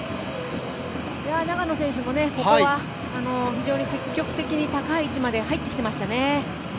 長野選手もここは非常に積極的に高い位置まで入ってきていましたね。